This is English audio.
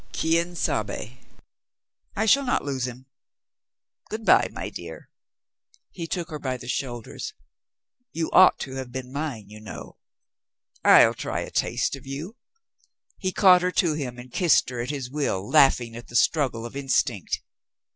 "Quien sabe? I shall not lose him. Good by, my dear." He took her by the shoulders. "You ought to have been mine, you know. I'll try a taste of you." He caught her to him and kissed her at his will, laughing at the struggle of instinct.